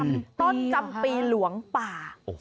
ต้นจำปีหลวงป่า